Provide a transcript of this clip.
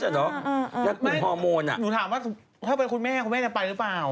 หนูถามว่าถ้าไว้คุณแม่คุณแม่จะไปหรือเปล่า